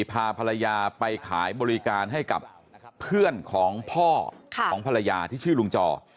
พาภรรยาไปขายบริการให้กับเพื่อนของพ่อของภรรยาที่ชื่อลุงจอ